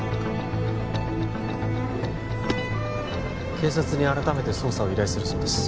警察に改めて捜査を依頼するそうです